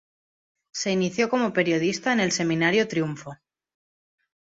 Se inició como periodista en el semanario "Triunfo".